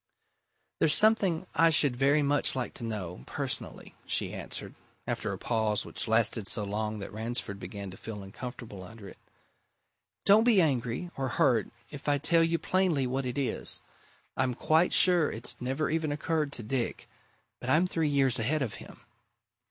"There's something I should very much like to know personally," she answered, after a pause which lasted so long that Ransford began to feel uncomfortable under it. "Don't be angry or hurt if I tell you plainly what it is. I'm quite sure it's never even occurred to Dick but I'm three years ahead of him.